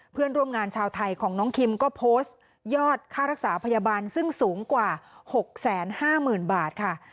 เพื่อนร่วมงานชาวไทยของน้องคิมก็โพสต์ยอดค่ารักษาพยาบาลซึ่งสูงกว่า๖๕๐๐๐บาทค่ะ